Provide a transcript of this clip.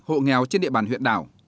hộ nghèo trên địa bàn huyện đảo